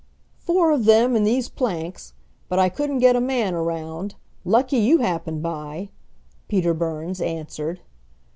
"Four of them, and these planks. But I couldn't get a man around. Lucky you happened by," Peter Burns answered.